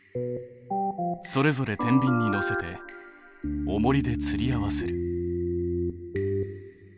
それぞれてんびんにのせておもりでつりあわせる。